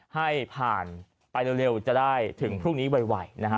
ให้ผ่านไปเร็วจะได้ถึงพรุ่งนี้ไวนะฮะ